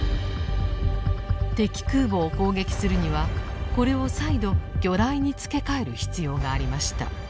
敵空母を攻撃するにはこれを再度魚雷に付け替える必要がありました。